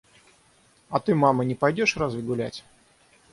А ты, мама, не пойдёшь разве гулять?